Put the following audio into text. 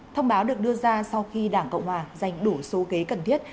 thông báo được đưa ra sau khi đảng cộng hòa dành đủ số kế cần thiết